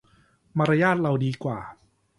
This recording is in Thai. มารยาทเราดีกว่า